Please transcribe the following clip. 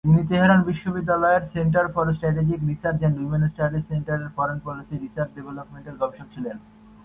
তিনি তেহরান বিশ্ববিদ্যালয়ের center for strategic research এবং উইমেন স্টাডিজ সেন্টারের ফরেন পলিসি রিসার্চ ডিপার্টমেন্টের গবেষক ছিলেন।